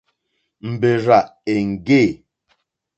Mbèrzà èŋɡê.